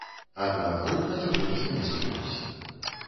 Аднак рух на чыгунцы не спыняўся.